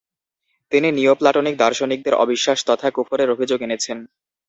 তিনি নিওপ্লাটোনিক দার্শনিকদের অবিশ্বাস তথা কুফরের অভিযোগ এনেছেন।